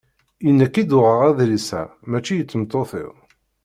I nekk i d-uɣeɣ adlis-a, mačči i tmeṭṭut-iw.